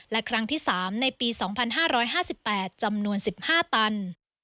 และครั้งที่๓ในปี๒๕๕๘จำนวน๑๕ตัน